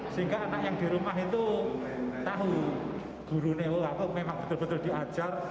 sehingga anak yang di rumah itu tahu guru neo atau memang betul betul diajar